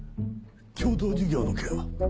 共同事業の件は？